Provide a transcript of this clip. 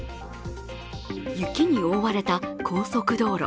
雪に覆われた高速道路。